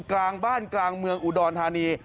กลางบ้านกลางเมืองอุดรธานี